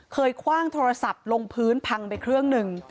คว่างโทรศัพท์ลงพื้นพังไปเครื่องหนึ่ง